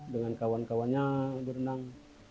dengan kawan kawannya berenang